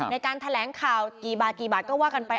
ในการแถลงข่าวกี่บาทกี่บาทก็ว่ากันไป